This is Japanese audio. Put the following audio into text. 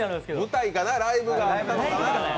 舞台かな、ライブがあったのかな。